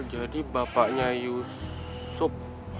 jadi bapaknya yusuf